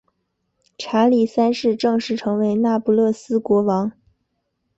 查理三世正式成为那不勒斯国王。